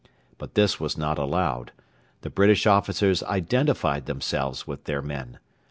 But this was not allowed. The British officers identified themselves with their men.